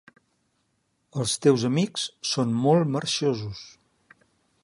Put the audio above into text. El teus amics són molt marxosos.